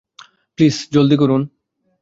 Please জলদি করুন।